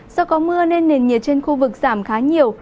do có mưa nên nền nhiệt trên khu vực giảm khá nhiều